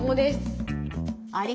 あれ？